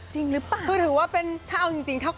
สวัสดีค่ะ